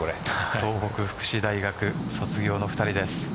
東北福祉大学卒業の２人です。